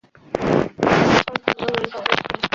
Frank কিংবা Owen কাউকেই দেখিনি।